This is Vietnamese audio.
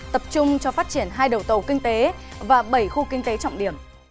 tập trung cho phát triển hai đầu tàu kinh tế và bảy khu kinh tế trọng điểm